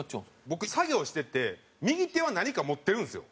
僕作業してて右手は何か持ってるんですよ。